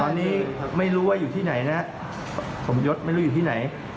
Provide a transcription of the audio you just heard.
ตอนนี้ไม่รู้ว่าอยู่ที่ไหนนะสมยศไม่รู้อยู่ที่ไหน